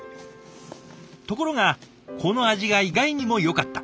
ところがこの味が意外にもよかった。